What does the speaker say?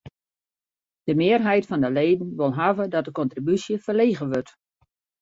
De mearheid fan de leden wol hawwe dat de kontribúsje ferlege wurdt.